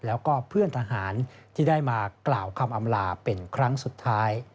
แล้วก็เพื่อนทหารที่ได้มากล่าวคำอำลาเป็นครั้งสุดท้าย